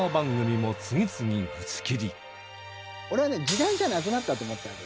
俺はね、時代じゃなくなったと思ったわけ。